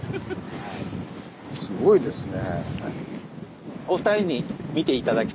すごいですね。